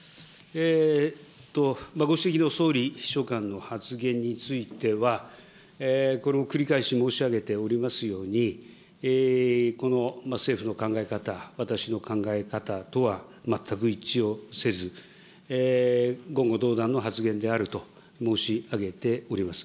ご指摘の総理秘書官の発言については、これも繰り返し申し上げておりますように、この政府の考え方、私の考え方とは全く一致をせず、言語道断の発言であると申し上げております。